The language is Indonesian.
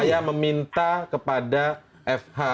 upaya meminta kepada fh